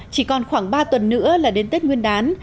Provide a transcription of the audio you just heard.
chỉ còn khoảng ba tuần nữa là đến tết nguyên đán